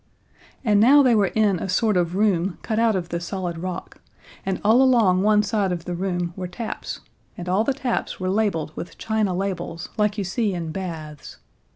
And now they were in a sort of room cut out of the solid rock, and all along one side of the room were taps, and all the taps were labeled with china labels like you see in baths.